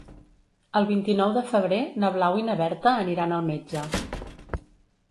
El vint-i-nou de febrer na Blau i na Berta aniran al metge.